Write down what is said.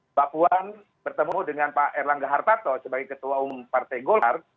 mbak puan bertemu dengan pak erlangga hartarto sebagai ketua umum partai golkar